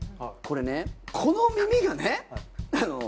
これねこの耳がね。